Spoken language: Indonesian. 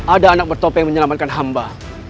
ada anak bertopeng menyelamatkan hamba